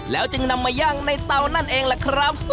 จึงนำมาย่างในเตานั่นเองล่ะครับ